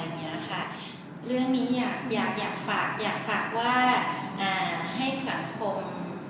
ติดตามนี้อยากฝากให้สังคม